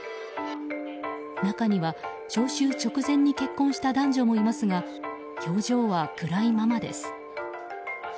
中には招集直前に結婚した男女もいますが表情は暗いままです。